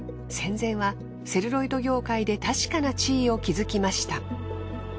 戦前はセルロイド業界で確かな地位を築きました。